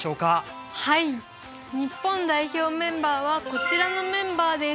はい日本代表メンバーはこちらのメンバーです。